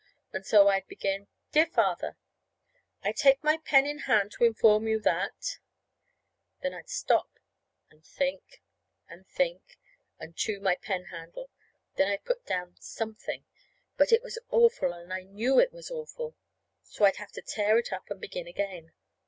And so I'd begin: "Dear Father: I take my pen in hand to inform you that " Then I'd stop and think and think, and chew my pen handle. Then I'd put down something. But it was awful, and I knew it was awful. So I'd have to tear it up and begin again.